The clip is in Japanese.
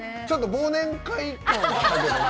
忘年会感はあったけど。